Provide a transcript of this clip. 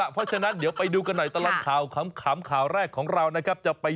ไปดูกันครับ